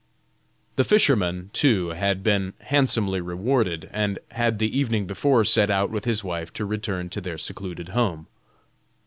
The fisherman, too, had been handsomely rewarded, and had the evening before set out with his wife to return to their secluded home.